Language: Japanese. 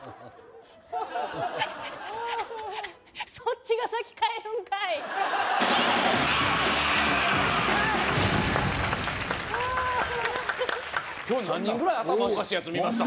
そっちが先帰るんかい今日何人ぐらい頭おかしい奴見ました？